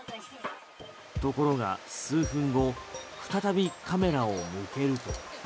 ところが数分後再びカメラを向けると。